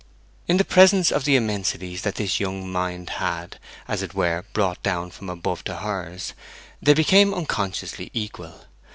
In the presence of the immensities that his young mind had, as it were, brought down from above to hers, they became unconsciously equal.